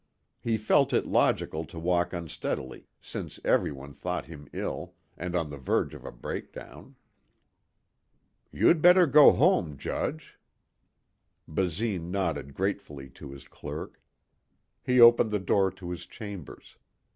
He felt it logical to walk unsteadily since everyone thought him ill and on the verge of a breakdown. "You'd better go home, Judge." Basine nodded gratefully to his clerk. He opened the door to his chambers.